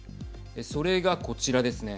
それが、こちらですね。